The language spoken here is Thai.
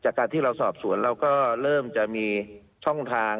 จากการที่เราสอบสวนเราก็เริ่มจะมีช่องทาง